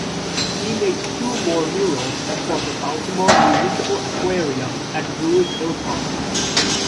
He made two more murals for the Baltimore Municipal Aquarium at Druid Hill Park.